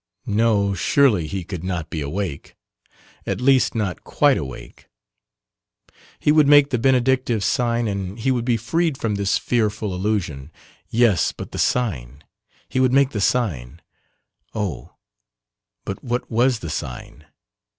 No surely he could not be awake, at least not quite awake, he would make the benedictive sign and he would be freed from this fearful illusion yes but the sign, he would make the sign oh, but what was the sign?